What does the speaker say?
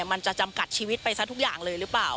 มันจะจำกัดชีวิตไปซะทุกอย่างเลยหรือเปล่า